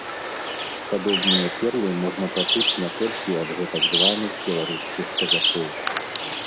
Падобныя перлы можна пачуць не толькі ад гэтак званых беларускіх казакоў.